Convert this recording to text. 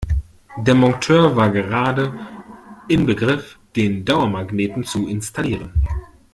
Der Monteur war gerade in Begriff, den Dauermagneten zu installieren.